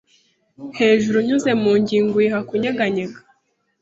Hejuru unyuze mu ngingo uyiha kunyeganyega